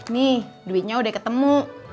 nih duitnya udah ketemu